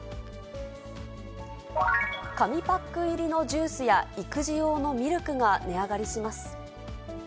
紙パック入りのジュースや育児用のミルクが値上がりします。